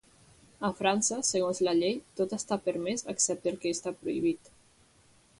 A França, segons la llei, tot està permès, excepte el que està prohibit.